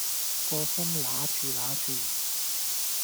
個心揦住揦住